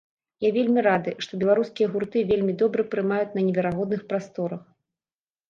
Я вельмі рады, што беларускія гурты вельмі добра прымаюць на неверагодных прасторах!